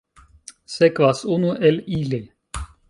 Sekvas unu el ili.